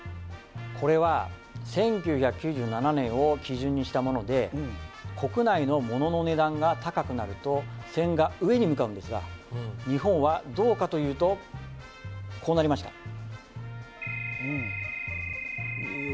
これは１９９７年を基準にしたもので国内のモノの値段が高くなると線が上に向かうんですが日本はどうかというとこうなりました